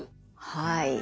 はい。